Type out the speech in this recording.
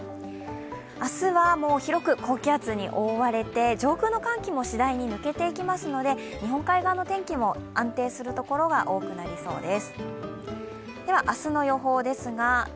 明日は広く高気圧に覆われて上空の寒気もしだいに抜けていきますので、日本海側の天気も安定する所が多くなりそうです。